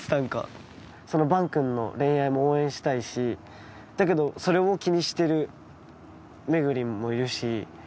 そのバン君の恋愛も応援したいしだけどそれも気にしてるめぐりんもいるし。